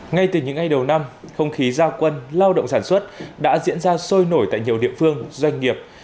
ngay từ những ngày đầu năm không khí giao quân lao động sản xuất đã diễn ra sôi nổi tại nhiều địa phương doanh nghiệp